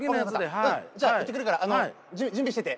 分かったじゃあ行ってくるから準備してて。